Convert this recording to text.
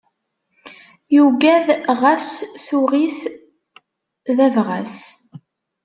Yugad ɣas tuɣ-t d abɣas.